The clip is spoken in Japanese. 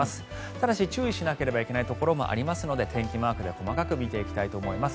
ただし、注意しなければいけないところもありますので天気マークで細かく見ていきたいと思います。